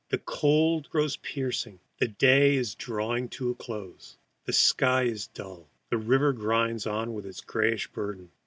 The cold grows piercing. The day is drawing to a close. The sky is dull. The river grinds on with its grayish burden.